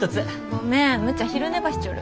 ごめんむっちゃん昼寝ばしちょる。